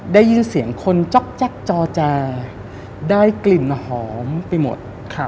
ได้ยินเสียงคนจ๊อกแก๊กจอแจได้กลิ่นหอมไปหมด